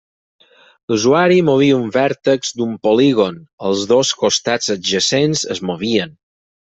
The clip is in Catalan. Si l'usuari movia un vèrtex d'un polígon, els dos costats adjacents es movien.